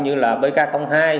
như là bk hai